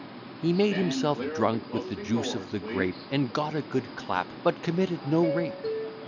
He made himself drunk with the juice of the grape, And got a good clap, but committed no rape.